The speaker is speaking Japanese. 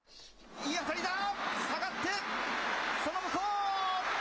いい当たりだ、下がって、その向こう。